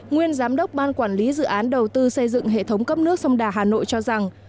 nguyên giám đốc ban quản lý dự án đầu tư xây dựng hệ thống cấp nước sông đà hà nội cho rằng